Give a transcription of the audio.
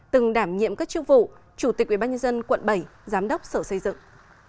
từng đảm nhiệm các chức vụ chủ tịch ủy ban nhân dân tp hcm giám đốc sở xây dựng